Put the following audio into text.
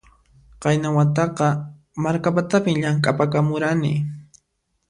Qayna wataqa Markapatapin llamk'apakamurani